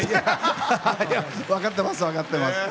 分かってます分かってます。